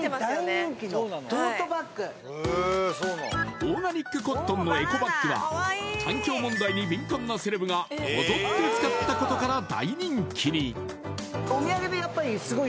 オーガニックコットンのエコバッグは、環境問題に注目するセレブがこぞって使ったことから大人気に。